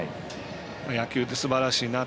野球ってすばらしいなと。